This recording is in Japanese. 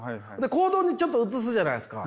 行動にちょっと移すじゃないですか。